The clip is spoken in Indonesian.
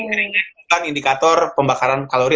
keringetan indikator pembakaran kalori